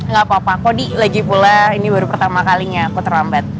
nggak apa apa kodi lagi pula ini baru pertama kalinya aku terlambat